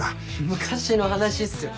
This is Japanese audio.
昔の話っすよ。